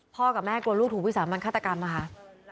กับแม่กลัวลูกถูกวิสามันฆาตกรรมนะคะ